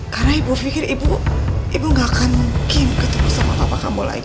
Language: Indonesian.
karena ibu pikir ibu gak akan mungkin ketemu sama papa kamu lagi